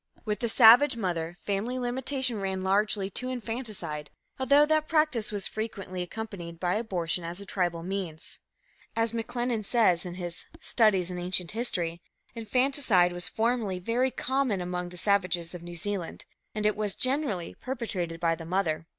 With the savage mother, family limitation ran largely to infanticide, although that practice was frequently accompanied by abortion as a tribal means. As McLennan says in his "Studies in Ancient History," infanticide was formerly very common among the savages of New Zealand, and "it was generally perpetrated by the mother."